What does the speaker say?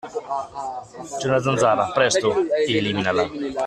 C'è una zanzara! Presto, eliminala!